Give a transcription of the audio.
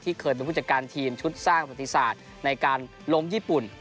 เคยเป็นผู้จัดการทีมชุดสร้างประติศาสตร์ในการล้มญี่ปุ่น